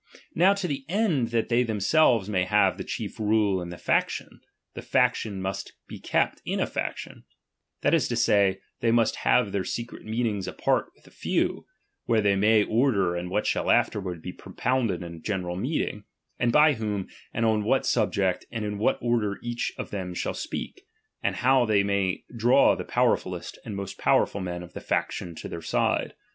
Now to the end that they themselves may have the chief rule in Ihe faction, the faction mnst be kept ^^i faction; that is to say, they must have their secret meetings apart with a few, where they may order what shall afterward be propounded in a g;eneral meeting, and by whom, and on what sub ject, and in what order each of them shall speak, and how they may draw the powerfullest and most popular men of the factio7i to their side.